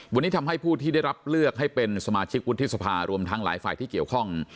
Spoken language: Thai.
วันนี้ทำให้ผู้ที่ได้รับเลือกให้เป็นสมาชิกวุฒิสภารวมทั้งหลายฝ่ายที่เกี่ยวข้อง